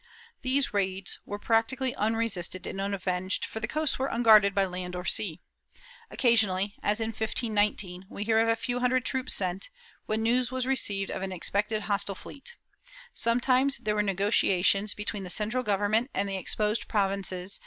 These raids were practically unresisted and unavenged, for the coasts were unguarded by land or sea. Occasionally, as in 1519, we hear of a few hundred troops sent, when news was received of an expected hostile fleet : sometimes there were negotiations be tween the central government and the exposed provinces to main ' Boronat, I, 208 12.